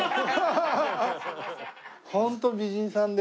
ホント美人さんで。